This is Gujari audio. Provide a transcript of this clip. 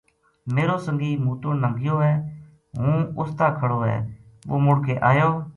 میرو سنگی موتن نا گیو ہے ہوں اس تا کھڑو ہے وہ مڑ کے آیو